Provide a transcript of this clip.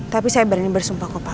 tapi saya berani bersumpah ke pak